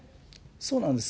そうなんです。